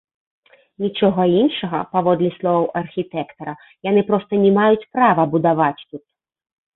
Нічога іншага, паводле словаў архітэктара, яны проста не маюць права будаваць тут.